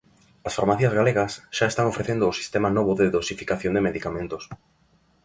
As farmacias galegas xa están ofrecendo o sistema novo de dosificación de medicamentos.